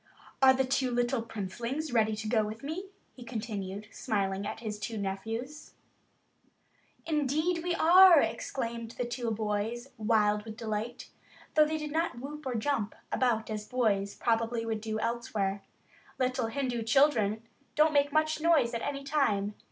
"Are the two little princelings ready to go with me?" he continued, smiling at his two little nephews. "Indeed we are," exclaimed the two boys, wild with delight, though they did not whoop or jump about as boys probably would do elsewhere. Little Hindu children don't make much noise at any time.